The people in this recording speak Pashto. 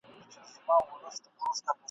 کرۍ ورځ توري ګولۍ وې چلېدلې !.